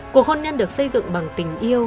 cuộc hôn nhân được xây dựng bằng tình yêu